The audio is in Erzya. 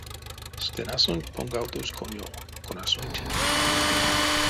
Стенасонть понгавтозь конёв, конасонть приказ.